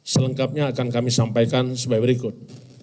selengkapnya akan kami sampaikan sebagai berikut